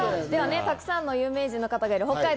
たくさんの有名人の方がいる北海道。